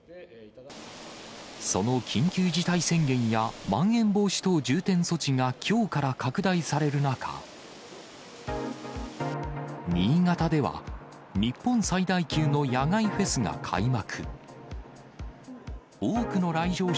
その緊急事態宣言やまん延防止等重点措置がきょうから拡大される中、新潟では、日本最大級の野外フェスが開幕。